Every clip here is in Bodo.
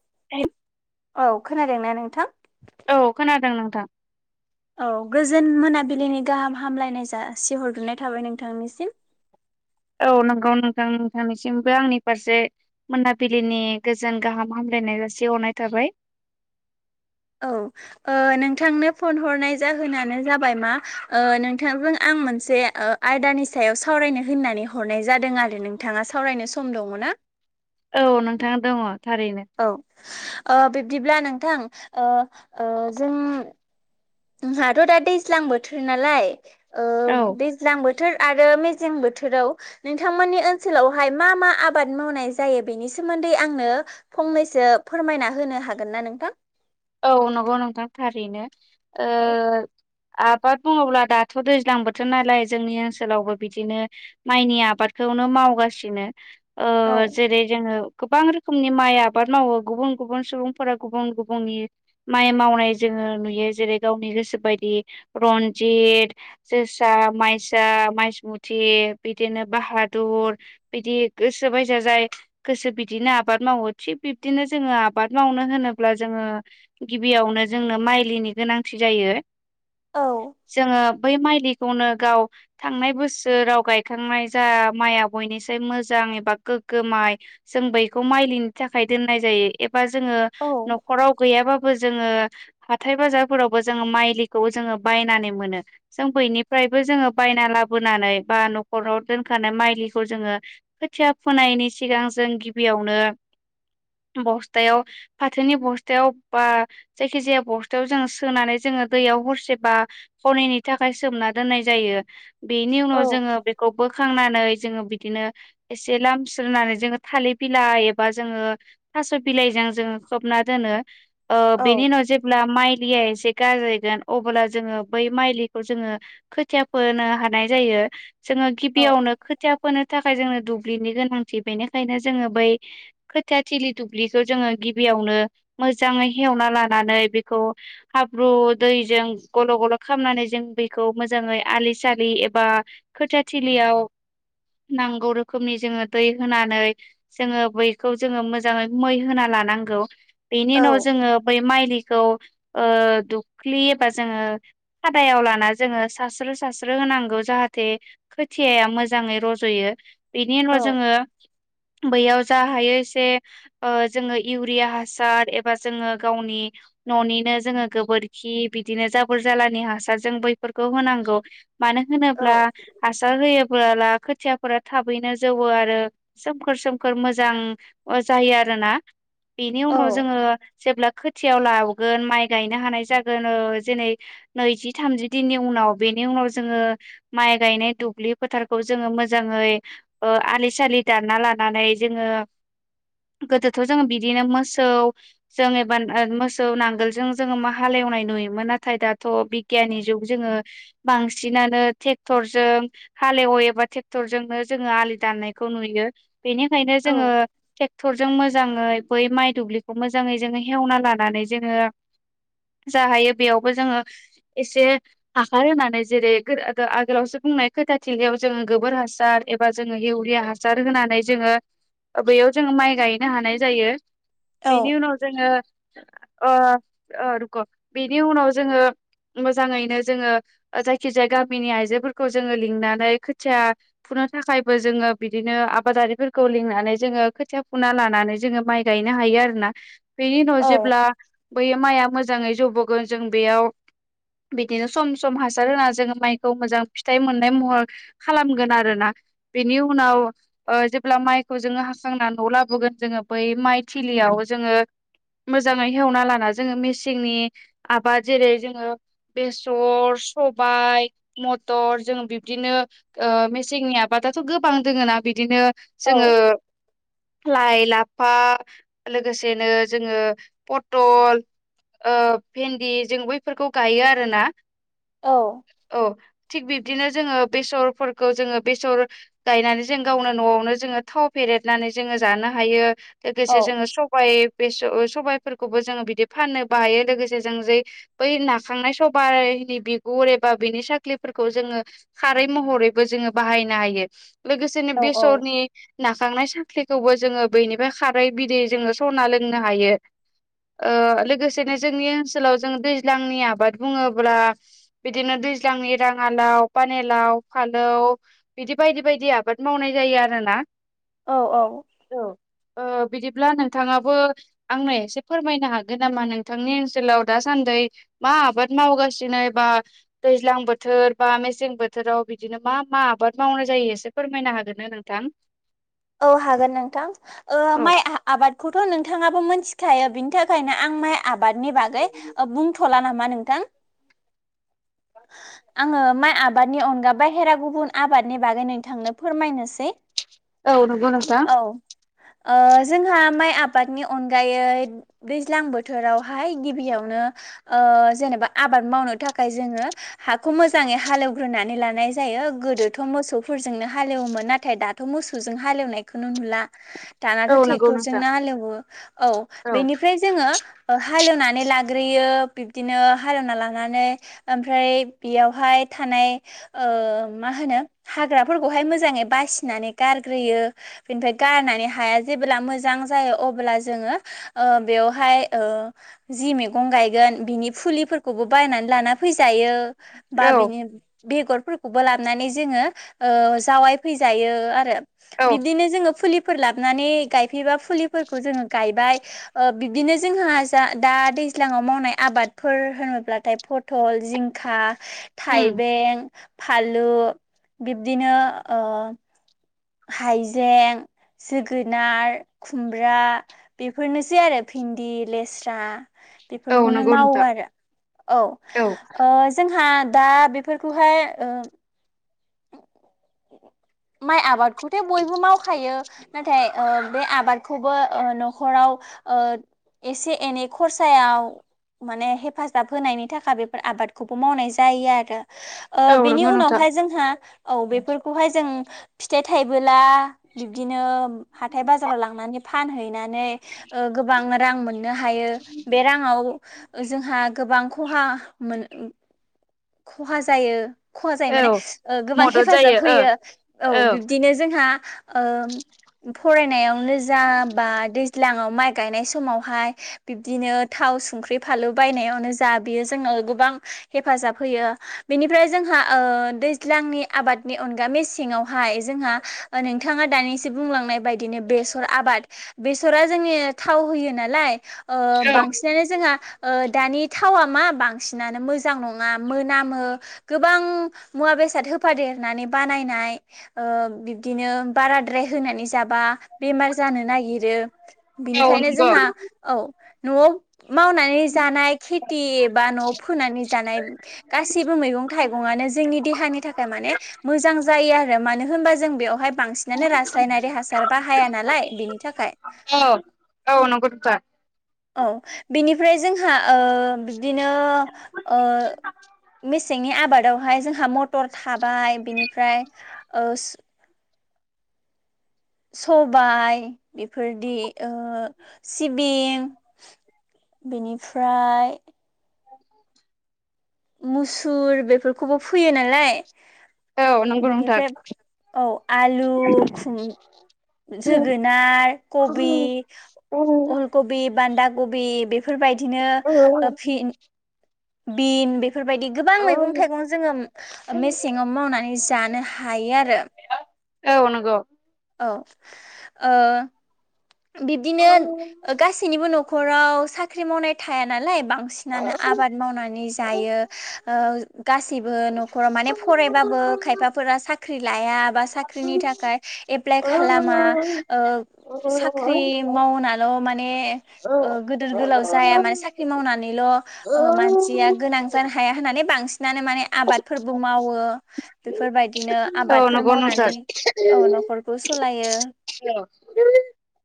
[unintelligible] औ खोनादोंना नोंथां? औ खोनादों नोंथां। औ गोजोन मोनाबिलिनि गाहाम हामलायनाय जासिहरग्रनाय थाबाय नोंथांनिसिम [inaudible] औ नंगौ नोंथां नोंथांनिसिमबो आंनि फारसे मोनाबिलिनि गोजोन गाहाम हामलाय बेरायनाय जासे हरनाय थाबाय [inaudible] औ नोंथांनो फन हरनाय जाहोनानो जाबाय मा नोंथांजों आं आं मोनसे आयदानि सायाव सावरायनो होननानै हरनाय जादों आरो नोंथाङा सावरायनो सम दङना? [inaudible] औ नोंथां दङ थारैनो औ ओ बिब्दिब्ला नोंथां ओ ओ जों - जोंहाथ दा दैज्लां बोथोर नालाय ओ औ दैज्लां बोथोर बोथोर आरो मेजें बोथोराव नोंथांमोननि ओनसोलावहाय मा मा आबाद मावनाय जायो बेनि सो सोमोन्दै आंनो फंनैसो फोरमायना होनो हागोन ना नोंथां? औ नंगौ नोंथां थारैनो ओ औ आबाद बुङोब्ला दाथ दैज्लां बोथोर नालाय जोंनि ओनसोलावबो बिदिनो माइनि आबादखौ नो मावगासिनो ओ औ जेरै जोङो गोबां रोखोमनि माइ आबाद मावो गुबुन गुबुन सुबुंफोरा गुबुन गुबुननि माइ मावनाय जोङो नुयो जेरै गावनि गोसो बायदि रन्जित जो सा माइसा माइसमुथि बिदिनो बाहादुर बिदि गोसोबायजा जाय गोसो बिदिनो आबाद मावो थिग बिब्दिनो जोङो आबाद मावनो होनोब्ला जोङो गिबियावनो जोंनो माइलिनि गोनांथि जायो औ जोङो बै माइलिखौनो गाव थांनाय बोसोराव गायखांनाय जा माइया बयनिसाय मोजां। बां एबा गोगो माइ जों बैखौ माइलिनि थाखाय दोनाय जायो। बा जोङो औ नख'राव गैया बा बो जोङो हाथाय बाजारफोरावबो जोङो माइलिखौ जोङो बायनानै मोनो जों बैनिफ्राय नैबो जोङो बायना लाबोनानै बा न'राव दोनखानाय माइलिखौ जोङो खोथिया फोनाय नि सिगां जों गिबियावनो बस्थायाव फाथोनि बस्थायाव। बा जायखि जाया बस्थायाव जोङो सोनानै जोङो दैयाव हरसे बा हरनैनि थाखाय सोमना दोननाय जायो। बेनि औ उनाव जोङो बेखौ बोखांनानै जोङो बिदिनो एसे लामस्रोनानै जोङो थालिर बिलाइ एबा जोङो थास' बिलाइजों जोङो खोबना दोनो। ओ बेनि औ उनाव जेब्ला माइ लिया एसे गारायगोन अब्ला जोङो बै माइलिखौ जोङो खोथिया फोनो हानाय जायो। जोङो औ गिबियावनो खोथिया खौ थाखाय जोङो दुब्लिनि गोनांथि बेनिखायनो जोङो बै खोथिया थिलि दुब्लिखौ जोङो गिबियावनो मोज जाङै हेवना लानानै बेखौ हाब्रु दैजों गल' गल' खालामनानै जों बे खौ मोजाङै आलि सालि एबा खोथिया थिलियाव नांगौ रोखोमनि जोङो दै होनानै जोङो बैखौ जोङो मोजाङै मै होनानै लानांगौ बेनि औ उनाव जोङो बै माइ दैखौ ओ दुब्लि बा जोङो खादायाव लाना जोङो सारस्रो सारस्रो होनांगौ जाहाथे खोथियाया मोजाङै रज'यो। बेनि औ उनाव जोङो। बैयाव जा हायो एसे ओ जोङो इउरिया हासार एबा जोङो गावनि न'निनो जोङो गोबोरखि बिदिनो जाबोर जालानि हासार जोंबो बैफोरखौ होनांगौ मानो होनोब्ला हासार होयो बोला खोथियाफोरा थाबैनो जौवो आरो सोमखोर सोमखोर मोजां जायो आरो। ना बेनि औ उनाव जोङो जेब्ला थियाव लाबोगोन माइ गायनो हानाय जागोन जेनै नैजि थामजि दिननि उनाव बेनि उन नाव जोङो माइ गायनाय दुब्लि फोथारखौ जोङो मोजाङै ओ आलि दान- ना लानानै जोङो गोदोथ' जोङो बिदिनो मोसौ जों एबा मोसौ नांगोलजों जोङो मा हालेवनाय नुयोमोन नाथाय दाथ' बिगियाननि जुग जोङो बांसिनानो टेक्टरजों हालेवो एबा टेक्टरजोंनो जोङो आलि दाननायखौ नुयो बेनिखायनो जोङो औ ट्रेक्टरजों मोजाङै बै माइ दुब्लि खौ मोजाङै जोङो हेवना लानानै जोङो। जा हायो बेयावबो जोङो एसे हाखार होनानै जेरै आगोलावसो बुंनाय खोथाथिलायाव जोङो गोबोर हासार एबा जोङो इउरिया हासार होनानै जोङो बेैयाव जोङो माइ गायनो हानाय जायो औ बेनि उनाव जोङो अ ओ रुखु बेनि उनाव जोङो मोजाङैनो जोङो जायखिजाया गामिनि आइजोफोरखौ जोङो लिंनानै खोथिया थाखायबो जोङो बिदिनो आबादारिफोरखौ लिंनानै जोङो खोथिया फुना लानानै जोङो माइ गायनो हायो आरो। आरोना बेनि उनाव औ जेब्ला बै माइआ मोजाङै जौबोगोन जों बेयाव बिदिनो सम सम हासार होनानै जोङो माइखौ मोजां फिथाइ मोननाय महर खालामगोन आरोना। बेनि उनाव जेब्ला माइखौ जोङो हासांना न' लाबोगोन जोङो बै माइ थिलियाव जोङो मोजाङै हेवना लाना जोङो मेसेंनि आबाद जेरै जोङो बेसर सबाय मथर जों बिब्दिनो मेसेंनि आबाद दाथ' गोबां दोङ ना बिदिनो जोङो लाइ लाफा लोगोसेनो जोङो पटल ओ भेन्दि जों बैफोरखौ गायो आरोना औ थिग बिब्दिनो जोङो बेसरफोरखौ जोङो बेसर गायनानै जों गावनो न'आवनो जोङो थाव फेरेदनानै जोङो जानो हायो लोगोसे जोङो औ बाय बेस सबायफोरखौबो जोङो बिदि फाननो बायो लोगोसे जों जै बै नाखांनाय सबा बाय नि बिगुर एबा बिनि साख्लिफोरखौ जोङो खारै महरैबो जोङो बाहायनो हायो। लोगोसेनो औ बेसरनि नाखांनाय साख्लिखौबो जोङो बैनिफ्राय खारै बिदै जोङो सरना लोंनो हायो ओ लोगोसेनो जोंनि ओनसोलाव जों दैज्लांनि आबाद बुङोब्ला बिदिनो दैज्लां एराङालाव पानिलाव फालौ बिदि बायदि बायदि आबाद मावनाय जायो आरोना। औ औ औ ओ बिदि ब्ला नोंथाङाबो आंनो एसे फोरमायनो हागोन नामा नोंथांनि ओनसोलाव दासान्दि मा मा आबाद मावगासिनो बा दैज्लां बोथोर बा मेसें बोथोराव बिदिनो मा मा आबाद मावनाय जायो। एसे फोरमायनो हागोन ना नोंथां? औ हागोन नोंथां ओ औ माइ आबादखौथ' नोंथाङाबो मोनथिखायो बिनि थाखायनो आं माइ आबादनि बागै बुंथ'ला नामा नोंथां आङो माइ आबादनि अनगा बहेरा गुबुन आबादनि बागै नोंथांनो फोरमायनोसै औ नंगौ नोंथां औ ओ जोंहा माइ आबादनि अनगायै दैज्लां बोथोरावहाय गिबियाव नों जेनेबा आबाद मावनो थाखाय जोङो हाखौ मोजाङै हालेवग्रोनानै लानाय जायो। गोदोथ' मोसौफोरजोंनो हालएवोमोन नाथाय दाथ' मो सौजों हालेवनायखौनो नुला दानाथ' औ नंगौ नोंथां ट्रेक्टरजोंनो हालेवो औ बेनिफ्राय जोङो हालेवनानै लाग्रोयो बिब्दिनो हालेवना लानानै ओमफ्राय बेयावहाय था नाय ओ मा होनो हाग्राफोरखौहाय मोजांयै बासिनानै गारग्रोयो बेनिफ्राय गारनानै हाया जेब्ला मोजां जायो अब्ला जोङो ओ बेवहाय ओ जि मैगं गायगोन बिनि फुलिफोरखौबो बायनानै लाना फैजायो औ बा बिनि बेगरफोरखौबो लाबानै जोङो ओ जावाय फैजायो आ रो। औ बिदिनो जोङो फुलि फोर लानानै गायफैबा फुलिफोरखौ जोङो गायबाय ओ बिदिनो जोंहा दा दैज्लाङाव मावनाय आबादफोर होनोब्लाथाय फथल जिंखा उम थाइबें फालु बिब्दिनो ओ हाइजें जोगोनार खुमब्रा बेफोरनोसै आरो भिन्दि लेस्रा औ बेफोरखौनो नंगौ मावो नोंथां आरो औ ओ जोंहा दा बेफोरखौहाय ओ माइ आबाद खौथे बयबो मावखायो नाथाय ओ बे आबादखौबो ओ न'खराव ओ एसे एनै खरसायाव माने हेफाजाब होनायनि थाखाय बेफोर आबादखौबो मावनाय जायो आरो औ ओ बेनि नंगौ नोंथां उनावहाय जोंहा औ बेफोरखौहाय जों फिथाइ थायबोला बिबदिनो हाथाय बाजाराव लांनानै फानहैना नै ओ गोबां रां मोननो हायो बे राङाव जोंहा गोबां खहा मोन खहा जायो। खहा जायो औ माने गोबां मदद हेफाजाब जायो ओ होयो औ बिब्दिनो जोंहा ओ फरायनायावनो जा बा दैज्लां आव माइ गायनाय समावहाय बिब्दिनो थाव संख्रि फानलु बायनायावनो जा बियो जोंनाव गोबां हेफाजाब होयो बेनिफ्राय जोंहा ओ दैज्लांनि आबादनि अनगा मेसेङावहाय जोंहा नोंथाङा दानिसो बुंलांनाय बायदिनो बेसर आबाद बेसरा जोंनि थाव होयो नालाय ओ औ बांसिनानो जोंहा ओ दानि थावा मा बांसिनानो मोजां नङा मोनामो गोबां मुवा बे बिसाद होफादेरनानै बानायनाय ओ बिब्दिनो बाराद्राय होनानै जाबा बेमार जानो नागिरो औ बिनिखायनो नंगौ जोंहा औ न'आव मावनानै जानाय खेथ दि बा न'आव फोनानै जानाय गासिबो मैगं थाइगं गंङानो जोंनि देहानि थाखाय मानि मोजां जायो आरो मानो होनबा जों बेयावहाय बांसिनानो रासायनारि हासार बाहाया नालाय बेनि थाखाय औ औ नंगौ नोंथां औ बेनिफ्राय जोंहा ओ बिब्दिनो ओ मेसेंनि आबादावहाय जोंहा मटर थाबाय बिनिफ्राय ओ सबाय बेफोरदि ओ सिबिं बेनिफ्राय मुसुर बेफोरखौबो फैयो नालाय औ नंगौ नोंथां बिनिफ्राय औ आलु खुम जोगोनार कबि औ नंगौ अलकबि बान्दा कबि बेफोरबायदिनो फिन बिन बेफोरबायदि गोबां मैगं थाइगं जोङो मेसेंआव मावनानै जानो हायो आरो [inaudible] ओ नंगौ औ ओ बिब्दिनो गासैनिबो न'खराव साख्रि मावनाय थाया नालाय बांसिनानो आबाद मावनानै जायो ओ गासै गासिबो न'खराव माने फरायबाबो खायफाफोरा साख्रि लाया बा साख्रिनि थाखाय लाय खालामा ओ ओ ओ साख्रि मावनाल' माने गिदोर गोलाव जाया माने साख्रि मावनानैल' ओ मानसिया गोनां जानो हाया होननानै बांसिन नानो माने आबादफोरबो मावो बेफोरबायदिनो आबादफोर नंगौ नोंथां मावनानै औ न'खरखौ सालायो दोय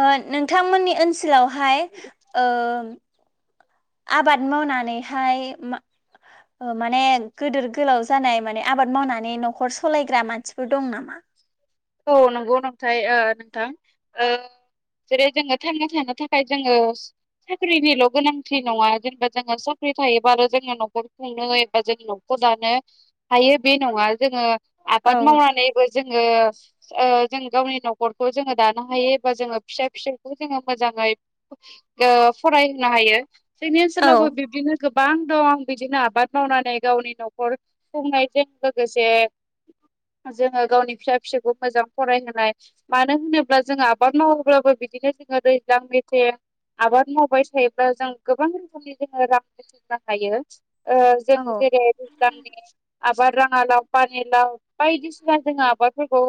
ओ नोंथांमोननि ओनसोलावहाय ओ आबाद मावनानैहाय मा माने गिदोर गोलाव जानाय माने आबाद मावनानै न'खर सालायग्रा मानसिफोर दं नामा [inaudible] औ नंगौ नोंथाय ओ नोंथां ओ जेरै जोङो थांना थानो थाखाय जोङो साख्रिनिल' गोनांथि नङा जेनेबा जोङो साख्रि थायोबाल' जोङो न'खर खुंनो एबा जों न' खर दानो हायो बे नङा जोङो औ आबाद मावनानैबो जोङो ओ जों गावनि न'खरखौ जोङो दानो हायो एबा जोङो फिसा फिसौखौ जोङो मोजाङै ओ फरायहोनो हायो जोंनि औ ओनसोलावबो बिब्दिनो गोब बां दं आं बिदिनो आबाद मावनानै गावनि न'खर खुंनायजों लोगोसे जोङो गावनि फिसा फिसौ मोजां फरायहोनाय मानो होनोब्ला जों आबाद मावोब्लाबो बिदिनो जोङो दैज्लां मेसें आबाद मावबाय थायोब्ला जों गोबां रोखोमनि जोङो रां बुथुमनो हायो। ओ जों औ जेरै दैज्लांनि आबाद बार राङा लाव पानि लाव बायदिसिना जोङो आबादफोरखौ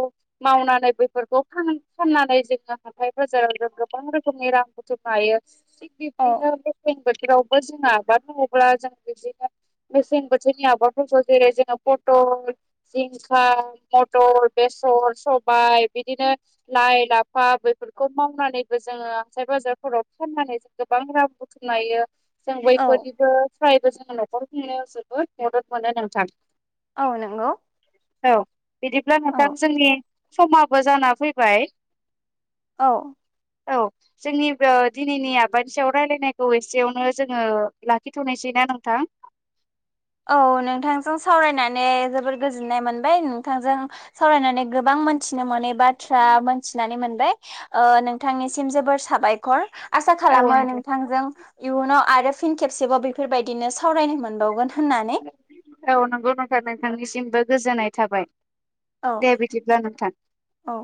मावनानै बैफोरखौ फाननानै जोङो हाथाय बाजाराव जों गोबां रोखोमनि रां हायो थिग बिबदिनो मेसें बोथोरावबो जोंओ आबाद मावोब्ला जों बिदिनो मेसें बोथोरनि आबादफोरखौ जेरै जोङो पटल जिंखा मथर बे सर सबाय बिदिनो लाइ लाफा बेैफोरखौ मावनानैबो जोङो हाथाय बाजार फोराव फाननानै जों गोबां रां बुथुम लायो। जों औ बयफोरनिबो फ्रायबो जोङो न'खर खुंनो जोबोद मदद मोनो नोंथां औ नंगौ। औ बिदिब्ला नोंथां औ जोंनि समाबो जाना फैबाय। औ। औ जोंनि दिनैनि [inaudible] रायलायनायखौ एसेयावनो जोङो लाखिथ'नोसैना नोंथां। [unintelligible] औ नोंथांजों सावरायनानै जोबोर गोजोननाय मोनबाय नोंथांजों सावरायनानै गोबां मोनथि मिथिनो मोनै बाथ्रा मोनथिनानै मोनबाय नोंथांनिसिम जोबोर साबायखर आसा औ खालामो नोंथां नोंथांजों इयुनाव आरो फिन खेबसेबाव बेफोरबायदिनो सावरायनो मोनबाव औ नंगौ [inaudible] नोंथांनिसिमबो गोजोननाय थाबाय। औ दे बिदिब्ला नोंथां। औ